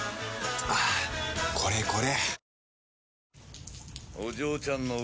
はぁこれこれ！